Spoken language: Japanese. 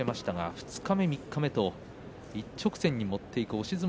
二日目、三日目と一直線に持っていく押し相撲